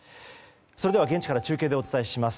それでは現地から中継でお伝えします。